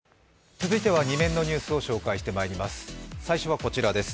続いては２面のニュースをお伝えしてまいります。